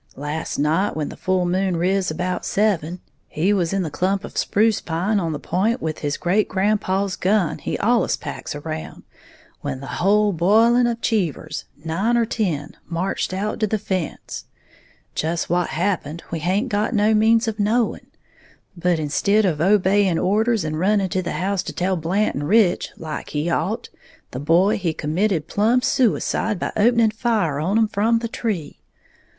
Last night when the full moon riz about seven, he was in the clump of spruce pine on the p'int with his great grandpaw's gun he allus packs around, when the whole b'iling of Cheevers, nine or ten, marched out to the fence. Just what happened, we haint got no means of knowing; but instid of obeying orders, and running to the house to tell Blant and Rich, like he ought, the boy he committed plumb suicide by opening fire on 'em from the tree.